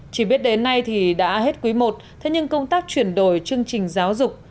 chỉ biết đến nay thì đã hết quý i thế nhưng công tác chuyển đổi chương trình giáo dục